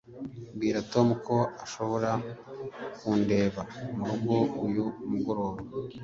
bwira tom ko ashobora kundeba murugo uyu mugoroba